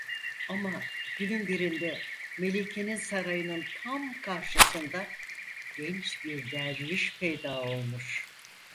Ama günün birinde melikenin sarayının tam karşısında genç bir derviş peyda olmuş.